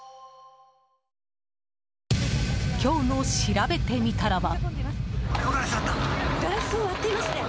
今日の、しらべてみたらは。